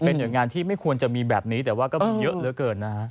หน่วยงานที่ไม่ควรจะมีแบบนี้แต่ว่าก็มีเยอะเหลือเกินนะฮะ